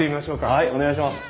はいお願いします。